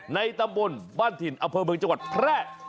ในตำบลบ้านถิ่นอเภอเมืองจักรประทร